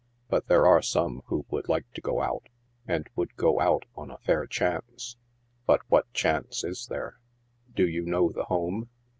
But there are some who would like to go out, and would go out on a fair chance. But what chance is there ?"" Do you know the Home